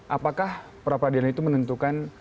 apakah peradilan itu menentukan